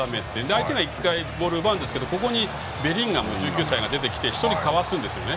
相手が１回ボールを奪うんですがここにベリンガムが出てきて１人かわすんですね。